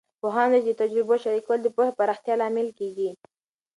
پوهاند وویل چې د تجربو شریکول د پوهې پراختیا لامل کیږي.